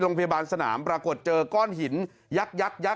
โรงพยาบาลสนามปรากฏเจอก้อนหินยักยักยักษ